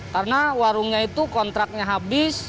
karena warungnya itu kontraknya habis